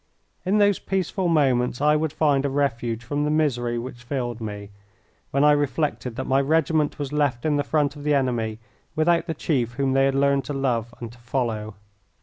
In those peaceful moments I would find a refuge from the misery which filled me, when I reflected that my regiment was left in the front of the enemy without the chief whom they had learned to love and to follow.